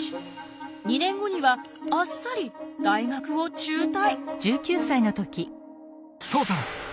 ２年後にはあっさり大学を中退。